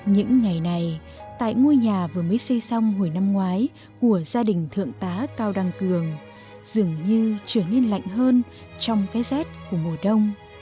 những ngày này tại ngôi nhà vừa mới xây xong hồi năm ngoái của gia đình thượng tá cao đăng cường dường như trở nên lạnh hơn trong cái rét của mùa đông